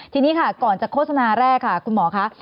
ทีนี้ค่ะก่อนจะโฆษณาแรกค่ะคุณหมอค่ะ